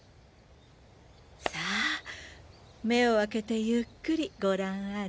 さぁ目を開けてゆっくり御覧あれ。